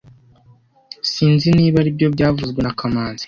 Sinzi niba aribyo byavuzwe na kamanzi